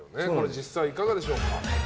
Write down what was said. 実際いかがでしょうか？